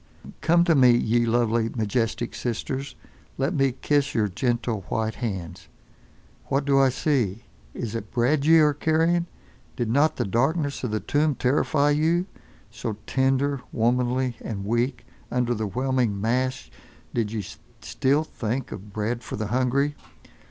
Come to me, ye lovely, majestic Sisters. Let me kiss your gentle white hands. What do I see? Is it bread ye are carrying? Did not the darkness of the tomb terrify you—so tender, womanly and weak; under the whelming mass did ye still think of bread for the hungry?